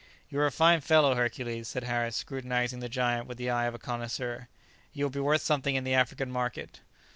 "You are a fine fellow, Hercules" said Harris, scrutinizing the giant with the eye of a connoisseur; "you would be worth something in the African market."